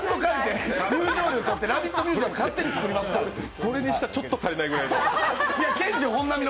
それにしてはちょっと足りないくらいの。